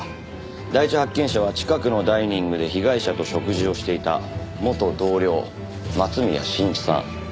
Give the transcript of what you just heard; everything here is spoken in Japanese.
第一発見者は近くのダイニングで被害者と食事をしていた元同僚松宮真一さん。